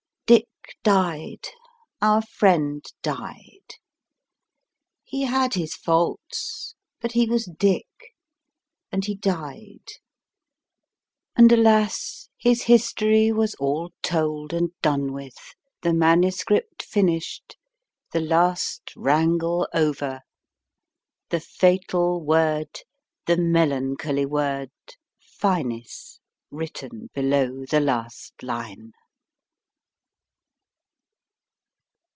Dick died ; our friend died ; he had his faults but he was Dick ; and he died. And alas ! his history was all told and done with ; the manuscript finished ; the last wrangle over ; the fatal word, the melancholy word, Finis, written below the last line.